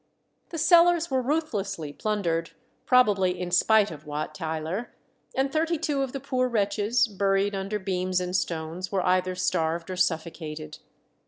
The cellars were ruthlessly plundered, probably in spite of Wat Tyler, and thirty two of the poor wretches, buried under beams and stones, were either starved or suffocated.